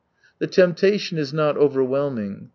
The temptation is not overwhelming.